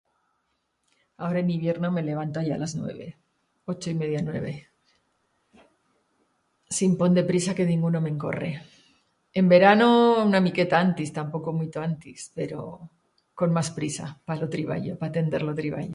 Agora en hibierno me levanto allá a las nueve..., ocho y meya u nueve, sin pont de prisa que dinguno m'encorre. En verano, una miqueta antis, tampoco muito antis, pero... con mas prisa, pa lo triballo, pa atender lo triballo.